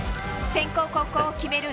先攻後攻を決める